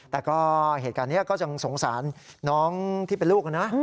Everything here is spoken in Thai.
แต่ก็เหตุการณ์นี้ก็ยังสงสารน้องที่เป็นลูกนะ